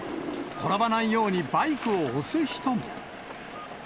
転ばないようにバイクを押す人も。